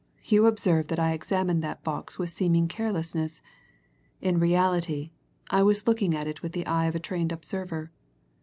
you observed that I examined that box with seeming carelessness in reality, I was looking at it with the eye of a trained observer.